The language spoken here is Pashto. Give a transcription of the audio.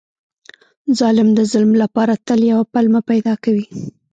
ظالم د ظلم لپاره تل یوه پلمه پیدا کوي.